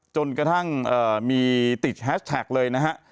จนกระทั่งมีติดแฮชแท็กเลยนะฮะ